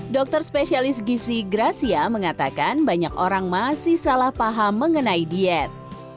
dokter spesialis gizi gracia mengatakan banyak orang masih salah paham mengenai diet